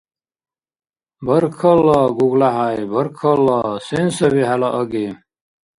Баркалла, ГуглахӀяй, баркалла. Сен саби хӀела аги?